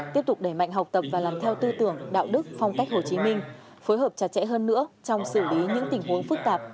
tiếp tục đẩy mạnh học tập và làm theo tư tưởng đạo đức phong cách hồ chí minh phối hợp chặt chẽ hơn nữa trong xử lý những tình huống phức tạp